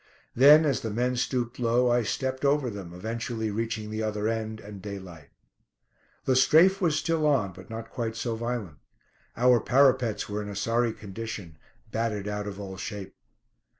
Then as the men stooped low I stepped over them, eventually reaching the other end and daylight. The "strafe" was still on, but not quite so violent. Our parapets were in a sorry condition, battered out of all shape.